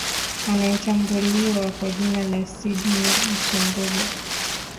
anayetambuliwa kwa jina la sydney nsubuga